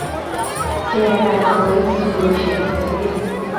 Keparasta koit tulwesiek toretet